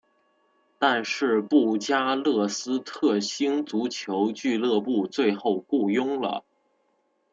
但是布加勒斯特星足球俱乐部最后雇佣了。